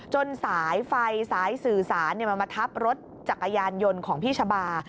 สายไฟสายสื่อสารมันมาทับรถจักรยานยนต์ของพี่ชะบา